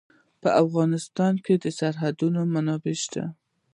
په افغانستان کې د سرحدونه منابع شته.